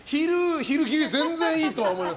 昼、全然いいと思います。